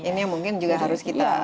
ini yang mungkin juga harus kita